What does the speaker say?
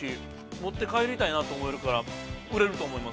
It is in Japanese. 持って帰りたいなと思えるから、売れると思います。